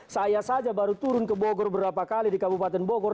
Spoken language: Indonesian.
saya saja baru turun ke bogor berapa kali di kabupaten bogor